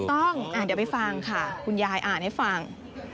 ถูกต้องเดี๋ยวไปฟังค่ะคุณยายอ่านให้ฟัง